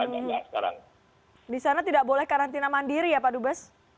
di sana tidak boleh karantina mandiri ya pak dubes